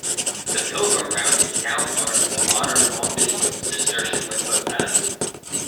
The pilgrim route is now part of the modern long distance Cistercian Way footpath.